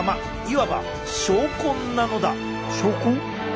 いわば小根なのだ！